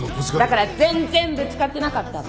だから全然ぶつかってなかったの。